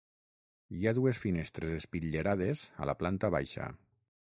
Hi ha dues finestres espitllerades a la planta baixa.